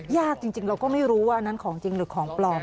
ยากจริงเราก็ไม่รู้ว่าอันนั้นของจริงหรือของปลอม